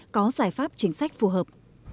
có giải pháp chính sách phù hợp